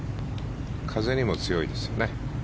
風にも強いですよね。